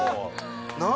何？